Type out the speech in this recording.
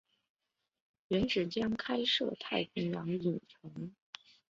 原址将开设太平洋影城。